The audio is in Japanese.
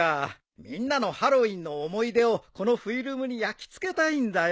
みんなのハロウィーンの思い出をこのフィルムに焼き付けたいんだよ。